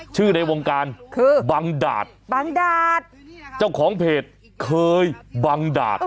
ในวงการคือบังดาดบังดาดเจ้าของเพจเคยบังดาด